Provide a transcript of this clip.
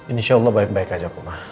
insya allah baik baik aja koma